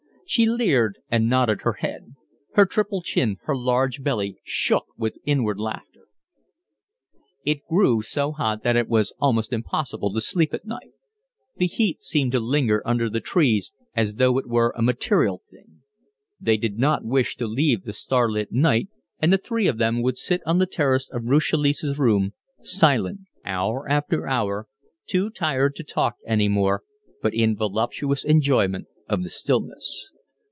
She leered and nodded her head. Her triple chin, her large belly, shook with inward laughter. It grew so hot that it was almost impossible to sleep at night. The heat seemed to linger under the trees as though it were a material thing. They did not wish to leave the starlit night, and the three of them would sit on the terrace of Ruth Chalice's room, silent, hour after hour, too tired to talk any more, but in voluptuous enjoyment of the stillness.